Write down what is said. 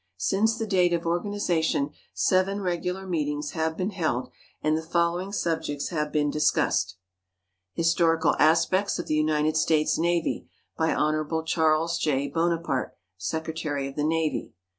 Since the date of organization seven regular meetings have been held and the following subjects have been discussed: "Historical Aspects of the United States Navy," by Hon. Charles J. Bonaparte, Secretary of the Navy.